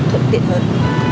thuận tiện hơn